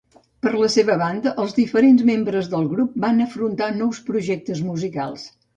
Per la seva banda, els diferents membres del grup van afrontar nous projectes musicals.